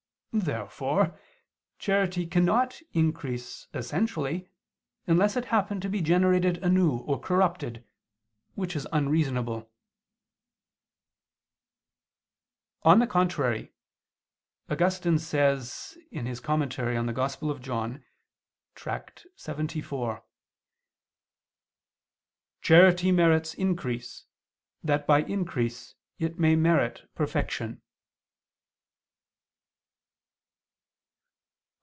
Therefore charity cannot increase essentially, unless it happen to be generated anew or corrupted, which is unreasonable. On the contrary, Augustine says (Tract. lxxiv in Joan.) [*Cf. Ep. clxxxv.] that "charity merits increase that by increase it may merit perfection."